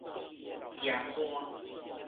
岐山